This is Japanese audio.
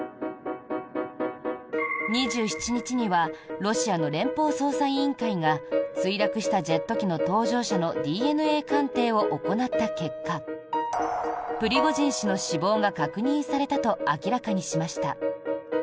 ２７日にはロシアの連邦捜査委員会が墜落したジェット機の搭乗者のＤＮＡ鑑定を行った結果プリゴジン氏の死亡が確認されたと明らかにしました。